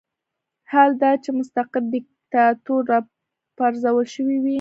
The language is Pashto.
حال دا چې مستقر دیکتاتور راپرځول شوی وي.